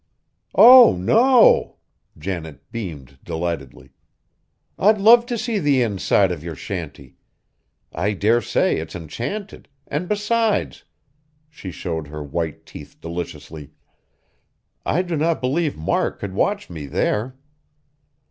"Oh, no!" Janet beamed delightedly, "I'd love to see the inside of your shanty. I dare say it's enchanted, and besides," she showed her white teeth deliciously, "I do not believe Mark could watch me there!"